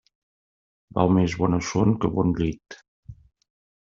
Val més bona son que bon llit.